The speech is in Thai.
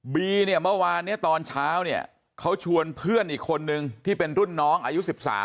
บีเนี่ยเมื่อวานเนี่ยตอนเช้าเนี่ยเขาชวนเพื่อนอีกคนนึงที่เป็นรุ่นน้องอายุ๑๓